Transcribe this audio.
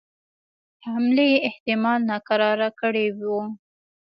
حملې احتمال ناکراره کړي وه.